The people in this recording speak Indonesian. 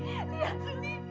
suli lihat suli